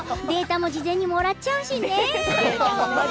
データも事前にもらっちゃうし。